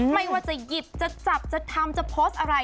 ไม่ว่าจะหยิบจะจับจะทำจะโพสต์อะไร